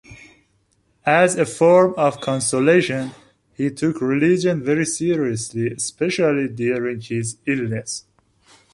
As a form of consolation, he took religion very seriously especially during his illness.